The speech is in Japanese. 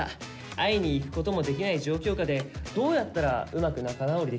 会いに行くことも出来ない状況下でどうやったらうまく仲直り出来るのか。